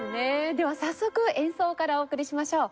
では早速演奏からお送りしましょう。